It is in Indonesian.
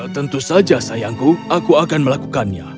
tentu saja sayangku aku akan melakukannya